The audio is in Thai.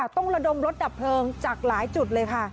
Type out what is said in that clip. ต้องระดมรถดับเพลิงจากหลายจุดเลยค่ะ